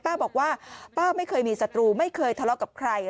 ป้าบอกว่าป้าไม่เคยมีศัตรูไม่เคยทะเลาะกับใคร